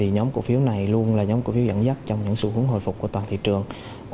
nhóm cổ phiếu ngân hàng này luôn là nhóm cổ phiếu dẫn dắt trong những sự hồi phục của toàn thị trường